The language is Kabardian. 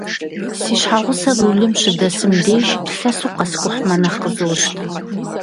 Си щхьэгъусэр рулым щыдэсым деж, лъэсу къэскӏухьмэ нэхъ къызощтэ.